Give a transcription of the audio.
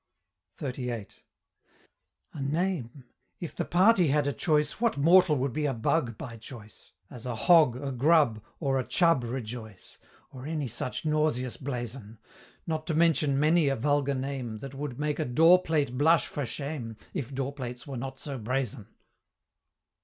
XXXVIII. A name? if the party had a voice, What mortal would be a Bugg by choice? As a Hogg, a Grubb, or a Chubb rejoice? Or any such nauseous blazon? Not to mention many a vulgar name, That would make a door plate blush for shame, If door plates were not so brazen!